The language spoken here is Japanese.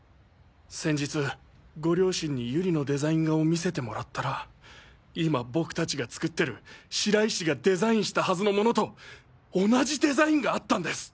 先日ご両親にゆりのデザイン画を見せてもらったら今僕たちが作ってる白石がデザインしたはずのものと同じデザインがあったんです！